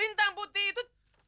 lintang putih itu